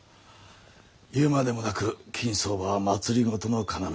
言うまでもなく金相場は政の要。